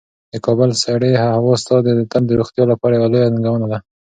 د کابل سړې هوا ستا د تن د روغتیا لپاره یوه لویه ننګونه ده.